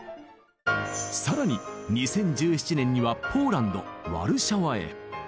更に２０１７年にはポーランドワルシャワへ。